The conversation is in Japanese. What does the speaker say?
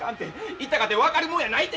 行ったかて分かるもんやないて！